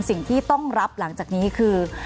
สิ่งที่ต้องรับหลังจากนี้คือ